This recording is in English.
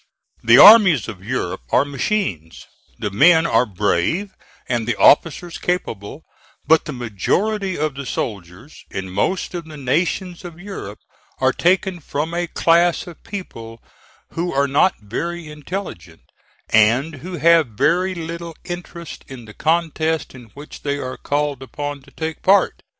The armies of Europe are machines; the men are brave and the officers capable; but the majority of the soldiers in most of the nations of Europe are taken from a class of people who are not very intelligent and who have very little interest in the contest in which they are called upon to take part.